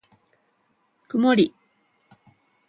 くもり